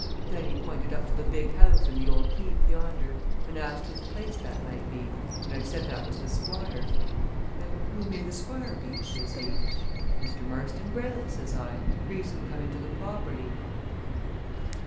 Then he pointed up to the big house and the old Keep yonder, and asked whose place that might be, and I said that was the Squire's. 'And who may the Squire be?' says he. 'Mr. Marston Greyle,' says I, 'Recent come into the property.'